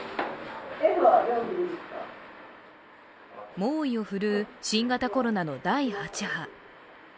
猛威を振るう新型コロナの第８波。